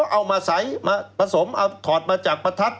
เอามาไร้ผสมถอดจากประทัด